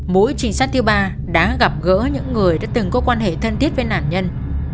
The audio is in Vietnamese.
mũi trình sát thứ ba đã gặp gỡ những người đã từng có quan hệ thân thiết với nạn nhân